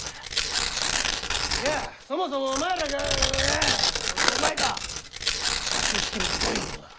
いやそもそもお前らがいやお前が雑誌を仕切るとはどういうことだ？